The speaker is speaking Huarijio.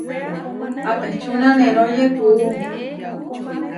Apečúna neróye kuú.